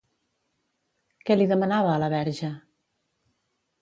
Què li demanava a la Verge?